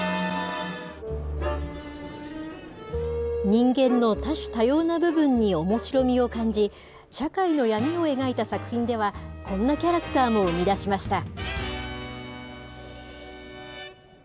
人間の多種多様な部分におもしろみを感じ、社会の闇を描いた作品では、こんなキャラクターも生み出しました。